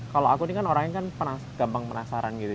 kalau aku ini kan orangnya kan gampang penasaran gitu